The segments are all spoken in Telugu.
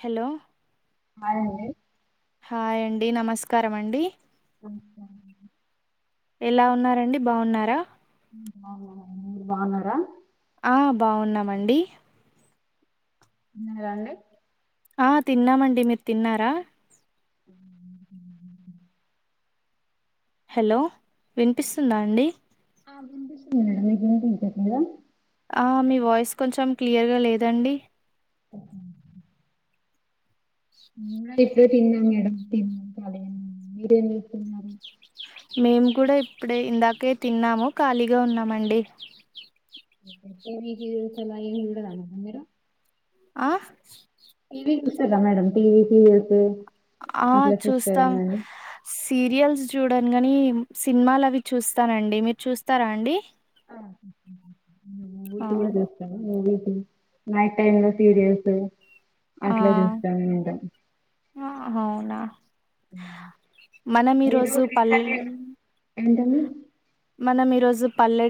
హలో హాయ్ అండి హాయ్ అండి నమస్కారం అండి అ ఎలా ఉన్నారండి బాగున్నారా బాగున్నం అంటే మీరు బాగున్నారా ఆ బాగున్నామండి తిన్నర అండి ఆ తిన్నామండి మీరు తిన్నారా [inaudible] హలో వినిపిస్తుందా అండి ఆ వినిపిస్తుందండి మీకు వినిపిస్త లేదా ఆ మీ వాయిస్ కొంచెం క్లియర్గా లేదండి అ మేము ఇప్పుడే తిన్నాం మేడం తిన్నాం ఖాళీగానే ఉన్నం మీరేం చెస్తున్నారు మేము కూడా ఇప్పుడే ఇందాకే తిన్నాము ఖాళీగా ఉన్నామండి ఆహా టీవీ సీరియల్స్ అలా ఏమి చూడరండి మీరు ఆ టీవి చూస్తారా మేడం టీవీ సీరియల్స్ ఆ అట్లా చూస్తాం చూస్తారేమండి సీరియల్స్ చూడను గాని సినిమాలు అవి చూస్తానండి మీరు చూస్తారా అండి ఆ మూవీస్ ఆ కూడా చూస్తానండి నైట్ టైమ్ లో సీరియల్స్ ఆ అట్లా చూస్తాము ఉంట అవునా మనం ఈరోజు పల్లెలు ఏంటండీ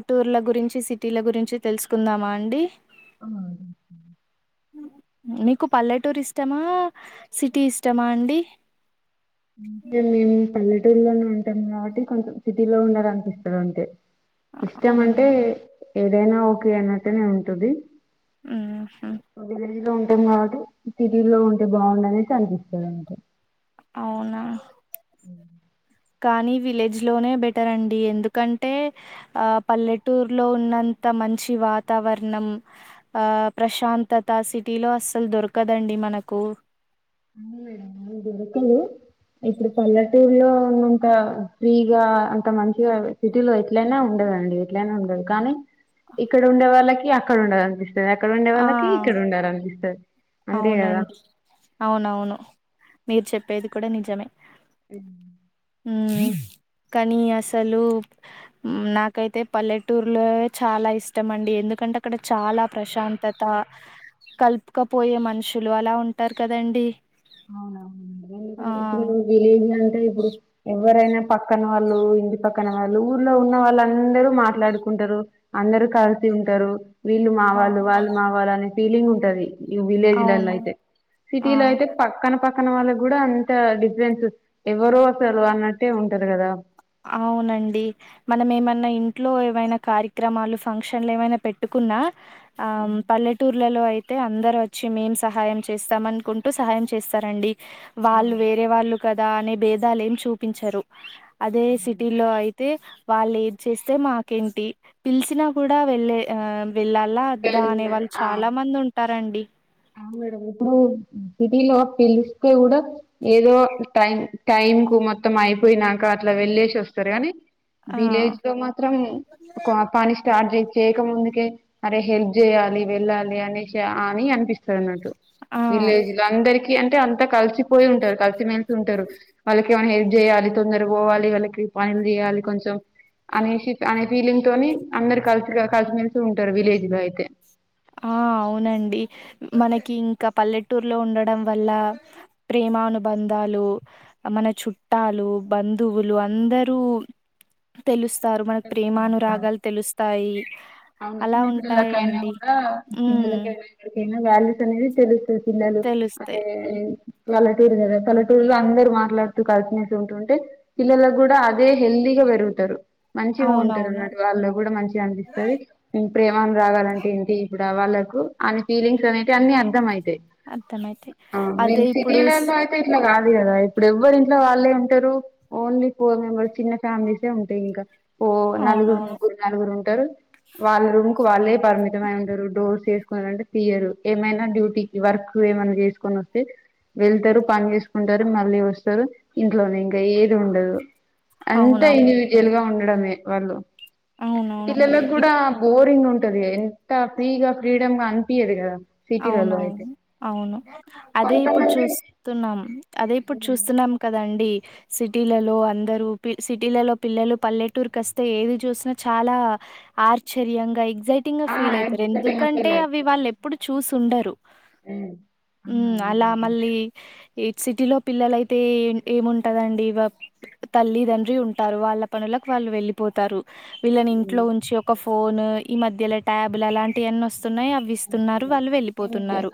టూర్ల గురించి సిటీల గురించి తెలుసుకుందామా అండి ఆ తెలుసుకుందాం మీకు పల్లెటూరు ఇష్టమా సిటీ ఇష్టమా అండి అంటే మేము పల్లెటూరులోనే ఉంటాం కాబట్టి కొంచెం సిటీలో ఉండాలి అనిపిస్తది అంతే ఇష్టం అవునా అంటే ఏదైనా ఓకే అన్నటునే ఉంటది ఆహ మొత్తం కాబట్టి సిటీ లో ఉంటే బాగుండు అనేసి అనిపిస్తాది అంతే అవునా [inaudible] కానీ విలేజ్ లోనే బెటర్ అండి ఎందుకంటే ఆ పల్లెటూరులో ఉన్నంత ఇంత మంచి వాతావరణం ఆ ప్రశాంతత సిటీలో అసలు దొరకదండి మనకు అవును మేడం అవి దొరకవు ఇప్పుడు పల్లెటూరులో ఉన్నంత ఫ్రీగా అంత మంచిగా సిటీలో ఎట్లయినా ఉ ఉండదండి ఏట్లయిన ఉండదు కానీ ఇక్కడ ఉండే వాళ్ళకి అక్కడ ఉండాలనిపిస్తది అక్కడ ఉండే ఆ వాళ్ళకి ఇక్కడ ఉండాలనిపిస్తుంది అవునండి అవునవును మీరు చెప్పేది కూడా నిజమే [inaudible] హ్మ్ కానీ అసలు నాకైతే పల్లెటూరులో చాలా ఇష్టం అండి ఎందుకు ఎందుకంటే అక్కడ చాలా ప్రశాంతత కలుప పోయే మనుషులు అలా ఉంటారు కాదండి అవునవును ఎందుకంటే ఇప్పుడు విలేజ్ అంటే ఇప్పుడు ఎవరైనా పక్కన వాళ్ళు ఇంటి పక్కన వాళ్ళు ఊర్లో ఉన్న వాళ్ళు అందరు మాట్లాడుకుంటారు అందరు అంతా కలిసి ఉంటారు వీళ్ళు ఆ, మావాళ్ళు వాళ్ళు మావాళ్లు అనే ఫీలింగ్ ఉంటది ఇగ విలేజ్ అవును లల్లయితే సిటీలా ఆ అయితే పక్కన పక్కన వాళ్ళకి కూడా అంత డిఫరెన్స్ ఎవరో అసలు అన్నట్టే ఉంటది కదా అవునండి మనం ఏమన్నా ఇంట్లో ఏమైనా కార్యక్రమాలు ఫంక్షన్లు ఏమైనా పెట్టుకున్నా ఆ మ్ పల్లెటూరు లో పల్లెటూళ్ళల్లో అయితే అందరు వచ్చి మేం సహాయం చేస్తాం అనుకుంటూ సహాయం చేస్తారండి వాళ్ళు వేరే వాళ్ళు కదా అనే బేధాలు ఏం చూపించరు అదే సిటీలో అయితే వాళ్ళు ఏది చేస్తే మాకేంటి పిలిసినా కూడా వెళ్ళే ఆ వెళ్లాలా వద్దా అనే వెళ్లరు వాళ్ళు చాలా మంది ఉంటారండి ఔను మేడం ఇప్పుడు సిటీ లో పిలుస్తే కూడా ఏదో టైం టైం కు మొత్తం అయిపోయినాక అట్లా వెళ్ళేసి వస్తారు గాని ఆ విలేజ్ లో మాత్రం పని స్టార్ట్ చే చేయక ముందుకే అరే హెల్ప్ చేయాలి వెళ్ళాలి అనేసి అని అనిపిస్తుంది అనిపిస్తదన్నట్టు ఆ విలేజ్ లో అందరికి అంటే అంతా కలిసిపోయి ఉంటారు కలిసిమెలిసి ఉంటారు వాళ్ళకి ఏమైనా హెల్ప్ చేయాలి తొందర పోవాలి వాళ్ళకి పని చేయాలి కొంచెం అనేశి అనే ఫీలింగ్ తోని అందరు కలిసి కలిసిమెలిసి ఉంటారు విలేజ్ లో అయితే ఆ అవునండి మనకి ఇంకా పల్లెటూరులో ఉండడం వల్ల ప్రేమానుబంధాలు మన చుట్టాలు బంధువులు అందరూ తెలుస్తారు మనకు ప్రేమానురాగాలు తెలుస్తాయి అలా ఉంటాయండి ఉమ్ పిల్లలకైనా ఇక్కడికైనా వాల్యూస్ అనేది తెలుస్తుంది పిల్లలు అదే తెలుస్తాయి పల్లెటూరు కదా పల్లెటూరులో అందరు మాట్లాడుతూ కలిసిమెలిసి ఉంటుంటే పిల్లలకు కూడా అదే హెల్దీగా పెరుగుతారు మంచిగా ఉంటారు అవునవును అన్నట్టు వాళ్ళు కూడా మంచిగా అనిపిస్తుంది ప్రేమాను రాగాలంటే ఏంటి ఇప్పుడు వాళ్ళకు అని ఫీలింగ్స్ అనేటివి అన్ని అర్థం అయితాయి అర్థమైతాయి తీ ఆ మేం అదే ఇప్పుడు స్- సిటీలల్లో ఐతే ఇట్లా కాదు అది కదా ఇప్పుడు ఎవ్వరు ఇంట్లో వాళ్ళే ఉంటారు ఓన్లీ ఫోర్ మెంబర్స్ చిన్న ఫ్యామిలీసే ఉంటాయి ఇంకా ఓ నలుగురు అవునవును ముగ్గురు నలుగురు ఉంటారు వాళ్ళ రూమ్ కు వాళ్ళే పరిమితమై ఉంటారు డోర్స్సు ఏస్కోని ఏమంటే తీయరు ఏమైనా డ్యూటీకి వర్క్ ఏమన్నా చేసుకొని వస్తే వెళ్తారు పని చేసుకుంటారు మళ్ళీ వస్తారు ఇంట్లోనే ఇంకా ఏది ఉండదు అంటే అవునవును ఇన్డివిజటువల్ గా ఉండడమే వాళ్ళు అవునవును ఇప్ అ బోరింగ్ ఉంటది ఎంత ఫ్రీగా ఫ్రీడమ్ గా అనిపియదు కదా సిటీలలో అవునవును అయితే అవును అదే ఇప్పుడు చూస్తున్నాం అదే ఇప్పుడు చూస్తున్నాం కదండి సిటీలలో అందరు సిటీలలో పిల్లలు పల్లెటూరుకి వస్తే ఏది చూసినా చాలా ఆశ్చర్యంగా ఎగ్జైటింగ్ గా ఫీల్ అయితారు ఎందుకంటే అవి వాళ్ళు ఎప్పుడు చూసి ఉండరు ఉ అలా మళ్ళీ ఎయిత్ సిటీ లో పిల్లలయితే ఏముంటదండి తల్లి తండ్రి ఉంటారు వాళ్ళ పనులు వాళ్ళు వెళ్ళిపోతారు వీళ్ళని ఇంట్లో ఉంచి ఒక ఫోన్ ఈ మధ్యలో ట్యాబులు అలాంటివివన్న వస్తున్నాయి అవి ఇస్తున్నారు వాళ్ళు వెళ్ళిపోతున్నారు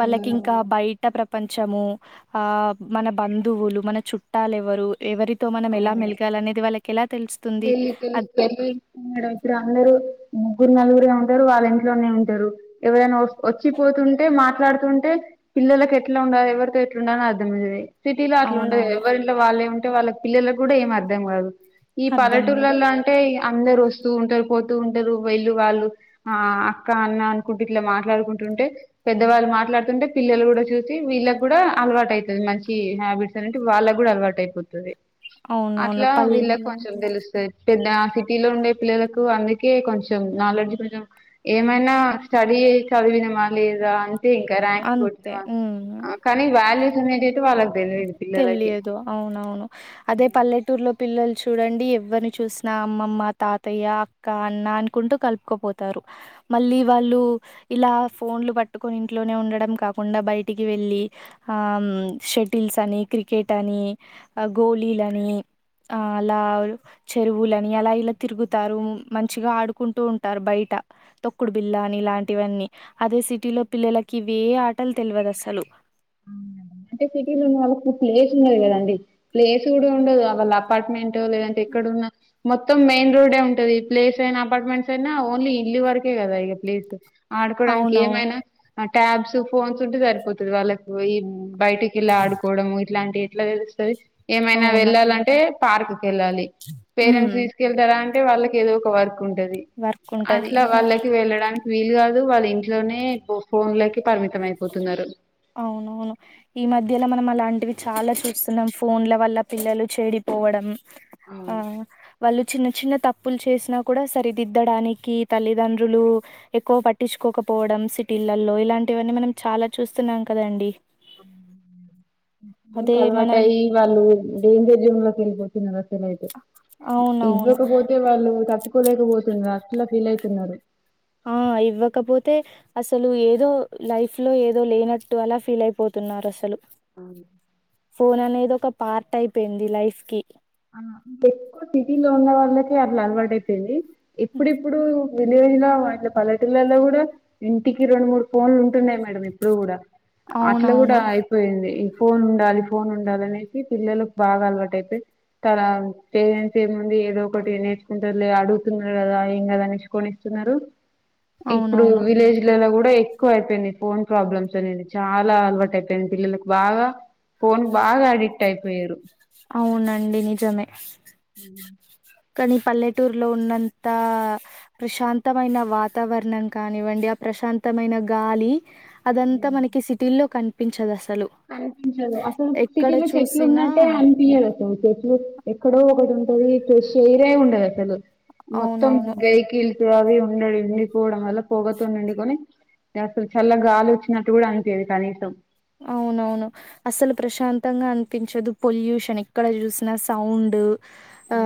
వాళ్ళకి ఇంకా బయట ప్ర పంచము ఆ మన బంధువులు మన చుట్టాల ఎవరు ఎవరితో మనం ఎలా మెలిగా అనేదివళ కెలా తెలి తెలిసు తె అల్రు [inaudible] ముగ్గురు నలుగురే ఉంటారు వాళ్ళ ఇంట్లోనే ఉంటారు ఎవరైనా వచ్చిపోతుంటే మాట్లాడుతుంటే పిల్లలకి ఎట్లా ఉండ ఎవర్తో ఎట్ల ఉండాలని అర్థం అయ్యేది సిటీలో అట్లా ఉండదు అవునవును ఎవరింట్లో వాళ్ళు ఉంటే వాళ్ళకి పిల్లలకు కూడా ఏం అర్థం కాదు ఈ అర్థం కాదు పల్లెటూర్లలో అంటే ఇగ అందరు వస్తూ ఉంటారు పోతూ ఉంటారు వెళ్ళు వాళ్ళు ఆ అక్క అన్న అనుకుంటూ ఇట్లా మాట్లాడుకుంటు ఉంటే పెద్దవాళ్ళు మాట్లాడుతుంటే పిల్లలు కూడా చూసి వీళ్ళకి కూడా అలవాటు అవుతది మంచి హ్యాబిట్స్ అంటే వాళ్ళకు కూడా అలవాటు అయిపోతది అవునవును పల్లె తెలుస్తాయి సిటీలో ఉండే పిల్లలకు అందుకే కొంచెం నాలెడ్జ్ కొంచెం ఏమైనా స్టడీ చదివినమా లేదా అంటే ఇంకా ర్యాంక్స్ అంతే కొట్నమా హ్మ్ కానీ వాల్యూస్ అనేది అయితే వాళ్ళ తెలియదు అవునవును అదే పల్లెటూరులో పిల్లలు చూడండి ఎవరిని చూసినా అమ్మమ్మ తాతయ్య అక్క అన్న అనుకుంటూ కలుపుకుపోతారు మళ్ళీ వాళ్ళు ఇలా ఫోన్లు పట్టుకొని ఇంట్లోనే ఉండడం కాకుండా బయటికి వెళ్లి ఆ షటిల్స్ అని క్రికెట్ అని గోళీలు అని ఆ అలా చెరువులని అలా ఇలా తిరుగుతారు మంచిగా ఆడుకుంటూ ఉంటారు బయట తొక్కుడు బిల్లాని ఇలాంటివన్నీ అదే సిటీలో పిల్లలకి ఇవే ఆటలు తెలియదు అసలు అంటే సిటీలో ఉన్న వాళ్ళకి ప్లేస్ ఉండదు కదండి ప్లేస్ కూడా ఉండదు వాళ్ళ అపార్ట్మెంట్ లేదంటే ఎక్కడున్నా మొత్తం మెయిన్ రోడ్ే ఉంటది ప్లేస్ అయినా అపార్ట్మెంట్స్ అయినా ఓన్లీ ఇల్లి వరకే కదా ప్లేస్ ఆడుకోవడానికి అవునవు ఏమైనా ట్యాబ్స్ ఫోన్స్ ఉంటే సరిపోతుది వాళ్ళకు ఈ బయటికి వెళ్ళ ఆడుకోవడం ఇట్లాంటి ఎట్లా తెలుస్తది ఏమైనా అవును. వెళ్ళాలంటే పార్క్ వేళ్ళాలి హ్మ్. పేరెంట్స్ తీసుకెళ్తారా అంటే వాళ్ళకి ఏదో ఒక వర్క్ ంటది వర్క్ ఉంటది అట్లా వాళ్ళకి వెళ్ళడానికి వీలు కాదు వాళ్ళ ఇంట్లోనే ఫోన్లకు పరిమితం అయిపోతున్నారు అవునవును ఈ మధ్యలో మనం అలాంటివి చాలా చూస్తున్నాం ఫోన్ల వల్ల పిల్లలు చెడిపోవడం ఆ వాళ్ళు చిన్న చిన్న తప్పులు చేసినా కూడా సరిదిద్దడానికి తల్లిదండ్రులు ఎక్కువ పట్టించుకోకపోవడం. సిటీళ్లల్లో ఇలాంటివన్నీ మనం చాలా చూస్తున్నాం కదండి. మంకు అదే మనం అలవాటుయి వాళ్ళు డేంజర్ జోన్ లోకి వెళ్ళిపోతు. అసలు ఇతే అవునవును ఇవ్వకపోతే వాళ్ళు తట్టు కోలేకపోతున్నారు అట్లా ఫీల్ అవుతున్నారు. ఆ ఇవ్వకపోతే అసలు ఏదో లైఫ్ లో ఏదో లేనట్టు అలా ఫీల్ అయిపో న్నారు అసలు అవు ఫోన్ అనేది ఒక పార్ట్ అయిపోయింది లైఫ్ కి ఆ ఎక్కువ సిటీ లో ఉన్న వాళ్ళకే అట్లా అలవాటు అయిపోయింది ఎప్పుడప్పుడు తెలినా వాల పల్లెలలో కూడా ఇంటికి రెండు మూడు ఫన్లు ఉ న్నాయి మేడ ఇప్పుడు కూడా అట్లా కూడా అవునవును అయిపోయింది. ఫోన్ ఉండాలి ఫోన్ ఉండాలి అనేసి పిల్లలకు బాగా అలవాటు అపోయి తన పేరెంస్ ఏముంది ఏదో ఒకటి నేర్చుకుంటారు లే అడుగుతున్నారు కదా ఏం కదా నేచుకొని కొనిస్తున్నారు. ఇప్పుడు అవునవును విలేజ్ల కూడా ఎక్కువ అయిపోయింది ఫోన్ ప్రాబ్లమ్స్ అనేది చాలా అలవాటు అయిపోయింది పిల్లలకు బాగా. పోన్ బాగా అడిక్ట్ ఆయిపోయరు. అవునండి నిజమే అ కానీ పల్లెటూరులో ఉన్నంత ప్రశాంతమైన వాతావరణం కానివ్వండి. ప్రశాంతమైన గాలి అదంతా మనకి సిటీ లో కనిపించదు అస కనిపించదు అసలు సిటీలో చెట్లు చూసినా ఉన్నట్టే అనిపియదు చెట్లు ఎక్కడో ఒకటి ఉంటది ఫ్రెష్ ఎయిర్ ఏ ఉండదు అసలు మొత్తం అవునవును గైకిల్స్ అవి ఉండడి ఉండి పోవడం వల్ల పోగతండండికని. అసలు చల్ల గాలి వచ్చినట్టు కూడా అనిపోయాదు కనీసం. అవునవును అసలు ప్రశాంతంగా అనిపించదు పొల్యూషన్ ఎక్కడ చూసినా సౌండ్. ఆ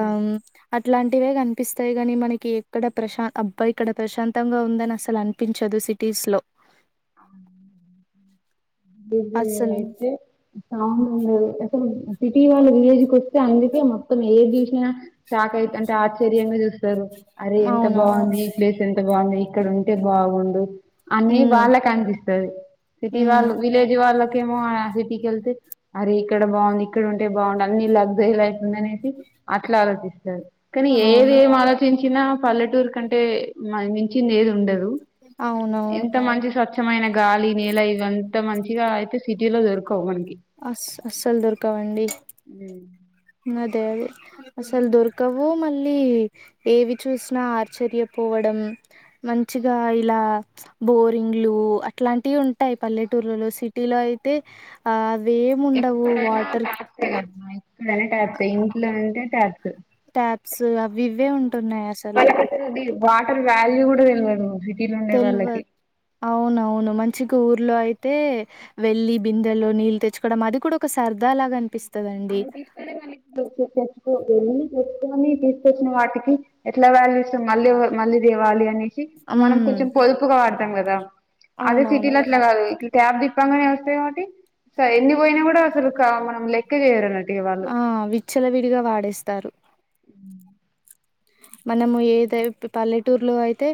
అ ఇట్లాంటివే కనిపిస్తాయి కాని మనకి ఎక్కడ ప్రశాంత అబ్బా ఇక్కడ ప్రశాంతంగా ఉందని అసలు అనిపించదు సిటీస్లో అస్సలు [unintelligible] సిటీ వాళ్ళ విలేజ్ కు వస్తే అందుకే మొత్తం ఏది చూసినా షాక్ అయితంటే ఆశ్చర్యంగా చూస్త. అరే ఎంత అవునవును బాగుంది ఈ ప్లేస్ ఎంత బాగుంది ఇక్కడ ఉంటే బాగుడు అని ఉమ్ వాళ్ళకి కనిపిస్తుంది సిటీ ఉమ్ వాళ్ళు. విలేజ్ వాళ్ళకేమో సిటీకిళ్తే అరే ఇక్కడ బాగుంది ఇక్కడ ఉంటే బాగుంది అన్ని లక్సరీ లైఫ్నన్న. అనేసి అట్లా ఆలోచిస్తారు. కానీ ఏది అవును ఏం ఆలోచించినా పల్లెటూరు కంటే మించి ఏది లేదు ఉండదు అవునవును ఎంత మంచి స్వచ్ఛమైన గాలి నేల ఇవ ఇంత మంచిగా అయితే సిటీలో దొరుకు అస్ అస్సలు దొరకావండి అదే అదే అసలు దొరకవు మళ్ళీ ఏవి చూసినా ఆశ్చర్యపో. పోవడం మంచిగా ఇలా బోరింగ్లు అట్లాంటివి ఉంటాయి పల్లెటూర్. లో సిటీలో అయితే ఆ అవి ఏమి ఉండవు వాటర్. ఇడనే టాచ్ ఇంట్లో ఉంటే టాచ్ టాబ్స్ అవి ఇవే ఉంటున్నాయి అసలు అ వాల్యూ కూడా తెలవదు సిటీలో ఉండే వాళ్ళకి తెలివదు అవునవును మంచి ఊర్లో అయితే వెళ్లి బిందెల్లో నీళ్ళు తెచ్చుకోడం అది కూడా ఒక సరదా లాగా అనిపిస్తది [inaudible] వెళ్ళి తెచ్చుకొని తీసుకొచ్చిన వాటికి ఎట్లా వాల్యూ ఇస్తం మళ్ళీ మళ్ళీ తేవ్వాలి నిషి ఉమ్ మనం కొంచెం పొదుపుగా వాడతాం కదా అదే సిటీ అవునవును లో అట్లా కాదు ట్యాబ్ తిప్పంగానే వస్తాయి కాబట్టి సరే ఎన్ని పోయినా కూడా అసలు మనం లె ఆ విచ్చలవిడిగా వాడేస్తారు మనము ఏద పల్లెటూరులో అయితే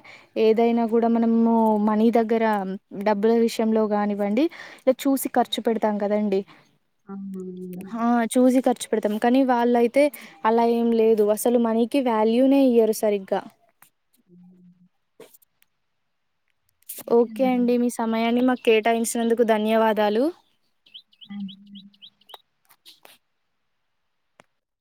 ఏదైనా కూడా మనము మనీ దగ్గర డా డబ్బుల విషయంలో కానివ్వండి ఇలా చూసి ఖర్చు పెడతాం కదండి అవునా మేడం హా చూసి ఖర్చు పెడతం కానీ వాళ్ళయితే అలా ఏం లేదు అసలు మనీకి వాల్యూనే ఇయ్యరు సరిగ్గా హు ఓకే అండి మీ సమయాన్ని మాకి కేటాయించినందుకు ధన్యవాదాలు